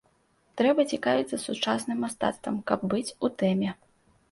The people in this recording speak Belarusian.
Трэба цікавіцца сучасным мастацтвам, каб быць у тэме.